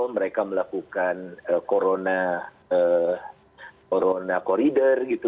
mereka melakukan corona corrider gitu